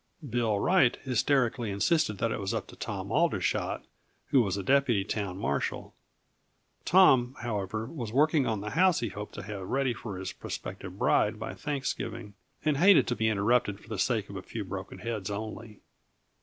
Bill Wright hysterically insisted that it was up to Tom Aldershot, who was a deputy town marshal. Tom, however, was working on the house he hoped to have ready for his prospective bride by Thanksgiving, and hated to be interrupted for the sake of a few broken heads only.